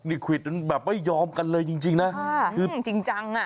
นี่ขวิตมันแบบไม่ยอมกันเลยจริงนะจริงจัง